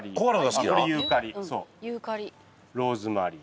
ローズマリー。